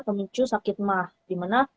kemencu sakit marah dimana